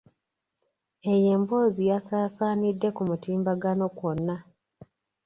Eyo emboozi yasaasaanidde ku mutimbagano kwonna.